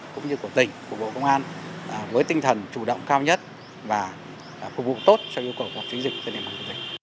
cũng như của tỉnh của bộ công an với tinh thần chủ động cao nhất và phục vụ tốt cho yêu cầu phòng chống dịch trên địa bàn